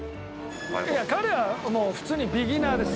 いや彼はもう普通にビギナーです。